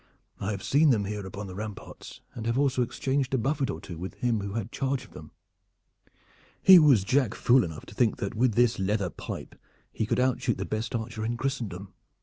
"I have seen them here upon the ramparts, and have also exchanged a buffet or two with him who had charge of them. He was jack fool enough to think that with this leather pipe he could outshoot the best archer in Christendom.